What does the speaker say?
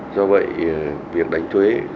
do vậy việc đánh thuế